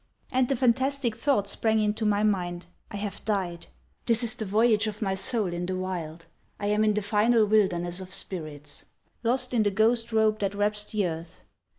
And the fantastic thought sprang into my mind: I have died. This is the voyage of my soul in the wild. I am in the final wilderness of spirits—lost in the ghost robe that wraps the earth.